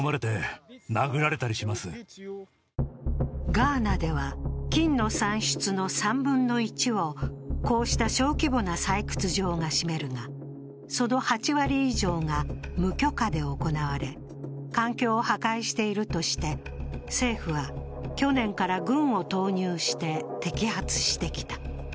ガーナでは、金の産出の３分の１をこうした小規模な採掘場が占めるがその８割以上が無許可で行われ、環境を破壊しているとして政府は去年から軍を投入して摘発してきた。